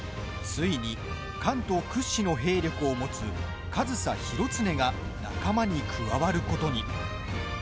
ついに、関東屈指の兵力を持つ上総広常が仲間に加わることに。